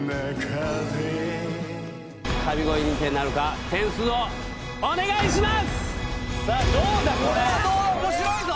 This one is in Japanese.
神声認定なるか、点数をお願おもしろいぞ。